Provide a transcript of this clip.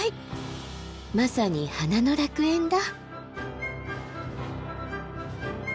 まさに花の楽園だ。